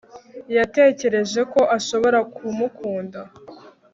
yatekereje ko ashobora kumukunda